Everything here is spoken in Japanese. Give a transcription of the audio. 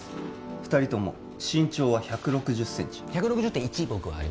２人とも身長は１６０センチ１６０．１僕はあります